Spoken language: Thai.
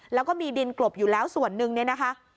แล้วก็มีดินกลบอยู่แล้วส่วนหนึ่งเนี่ยนะคะ